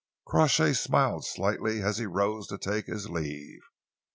Crawshay smiled slightly as he rose to take his leave.